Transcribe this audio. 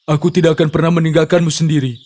aku tidak akan pernah meninggalkanmu sendiri